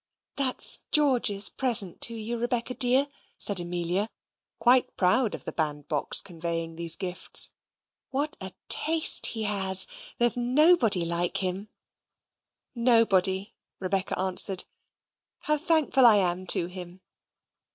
"That's George's present to you, Rebecca, dear," said Amelia, quite proud of the bandbox conveying these gifts. "What a taste he has! There's nobody like him." "Nobody," Rebecca answered. "How thankful I am to him!"